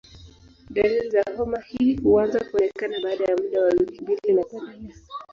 Dalili za homa hii huanza kuonekana baada ya muda wa wiki mbili na kuendelea.